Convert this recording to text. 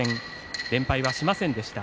連敗はしませんでした。